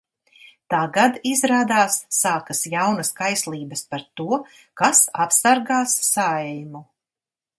Tagad, izrādās, sākas jaunas kaislības par to, kas apsargās Saeimu.